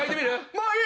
もう怖い！